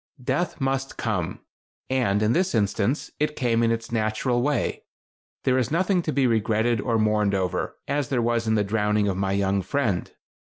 Death must come, and, in this instance, it came in its natural way. There is nothing to be regretted or mourned over, as there was in the drowning of my young friend.